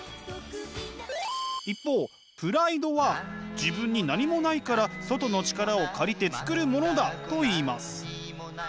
一方プライドは自分に何もないから外の力を借りてつくるものだといいます。